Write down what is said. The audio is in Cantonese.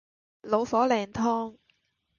老火靚湯